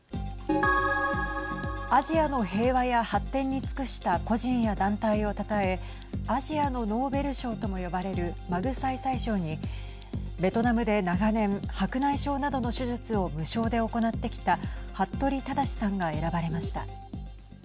アジアの平和や発展に尽くした個人や団体をたたえアジアのノーベル賞とも呼ばれるマグサイサイ賞にベトナムで長年、白内障などの手術を無償で行ってきた服部匡志さんが選ばれました。